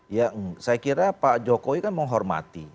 ya saya kira pak jokowi kan menghormati